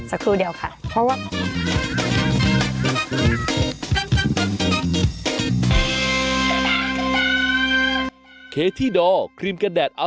สักครู่เดียวค่ะ